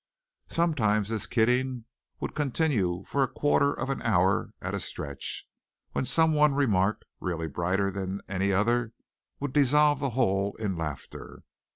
Sometimes this "kidding" would continue for a quarter of an hour at a stretch, when some one remark really brighter than any other would dissolve the whole in laughter.